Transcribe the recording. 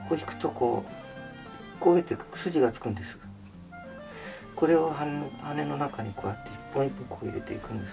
これを羽の中にこうやって一本一本こう入れていくんです。